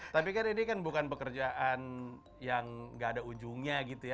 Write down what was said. tapi kan ini kan bukan pekerjaan yang nggak ada ujungnya gitu ya